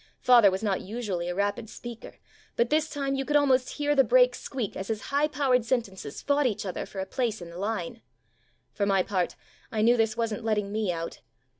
Father was not usually a rapid speaker, but this time you could almost hear the brakes squeak as his high powered sentences fought each other for a place in the line. For my part, I knew this wasn't letting me out.